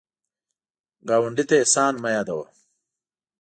ګاونډي ته احسان مه یادوه